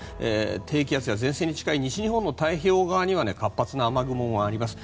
低気圧や前線に近い西日本の太平洋側には活発な雨雲もあります。